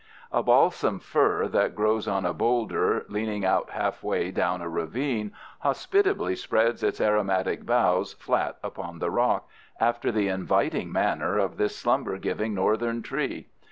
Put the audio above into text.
A balsam fir that grows on a bowlder leaning out halfway down a ravine hospitably spreads its aromatic boughs flat upon the rock, after the inviting manner of this slumber giving Northern tree.